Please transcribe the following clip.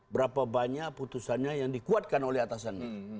berapa banyak putusannya yang dikuatkan oleh atasannya